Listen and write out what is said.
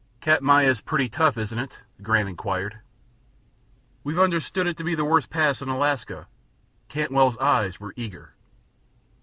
"Katmai is pretty tough, isn't it?" Grant inquired. "We've understood it's the worst pass in Alaska." Cantwell's eyes were eager.